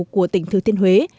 của tỉnh thứ thiên huế